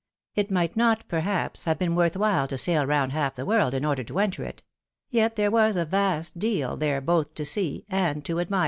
It might not, perhaps, have been worth whUe to sail roimd half the world in order to enter it ; yet there was a vast deal there both to see and to adpiire.